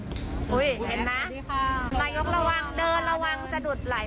ไนโยะก็ระวังเดินระวังสะดุดหลายรอบ